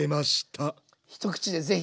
一口で是非。